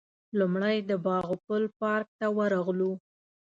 لومړی د باغ پل پارک ته ورغلو.